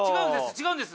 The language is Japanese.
違うんです。